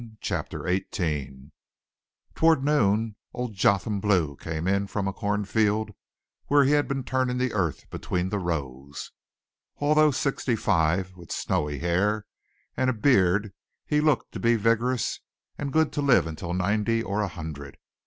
CHAPTER XVIII Toward noon old Jotham Blue came in from a cornfield where he had been turning the earth between the rows. Although sixty five and with snowy hair and beard he looked to be vigorous, and good to live until ninety or a hundred.